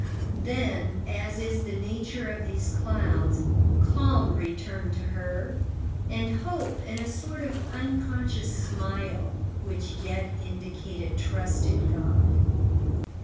Then, as is the nature of these clouds, calm returned to her, and hope and a sort of unconscious smile, which yet indicated trust in God.